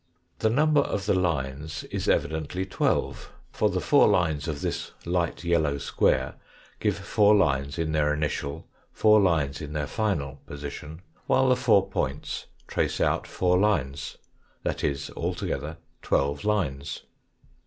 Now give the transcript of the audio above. The number of the lines is evidently twelve, for the four lines of this light yellow square give four lines in their initial, four lines in their final position, while the four points trace out four lines, that is altogether twelve lines.